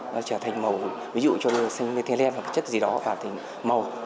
nó trở thành màu ví dụ cho xanh methenlem hoặc chất gì đó vào thành màu